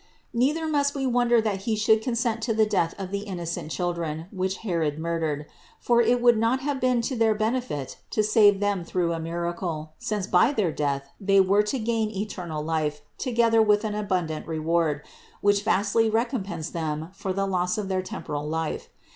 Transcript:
Neither must we wonder that He should consent to the death of the innocent children which Herod murdered ; for it would not have been to their benefit to save them through a miracle, since by their death they were to gain eternal life together with an abundant reward, which vastly recompensed them for 2 35 526 CITY OF GOD the loss of their temporal life.